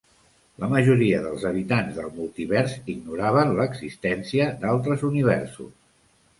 La majoria dels habitants del multivers ignoraven l'existència d'altres universos.